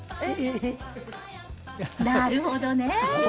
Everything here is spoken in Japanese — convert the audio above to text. なるほどね。